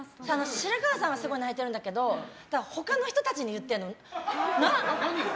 白河さんはすごい泣いているんだけど他の人たちに言ってるの。